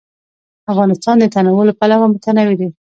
افغانستان د تنوع له پلوه متنوع دی.